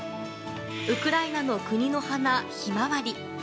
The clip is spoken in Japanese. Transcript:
ウクライナの国の花ヒマワリ。